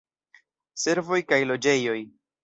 Servoj kaj loĝejoj.